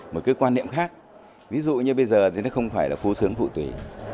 một cái quan niệm khác ví dụ như bây giờ thì nó không phải là phố sướng phụ tùy